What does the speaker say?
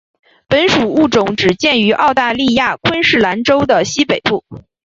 本属物种只见于澳大利亚昆士兰州的西北部。